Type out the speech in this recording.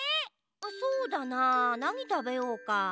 そうだななにたべようか？